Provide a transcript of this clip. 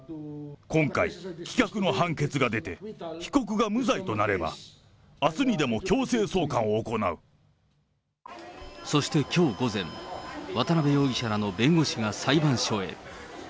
今回、棄却の判決が出て、被告が無罪となれば、そしてきょう午前、渡辺容疑者らの弁護士が裁判所へ。